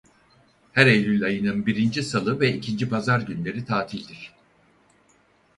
Her Eylül ayının birinci Salı ve ikinci Pazar günleri tatildir.